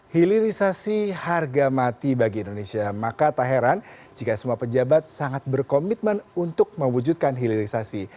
hilirisasi harga mati bagi indonesia maka tak heran jika semua pejabat sangat berkomitmen untuk mewujudkan hilirisasi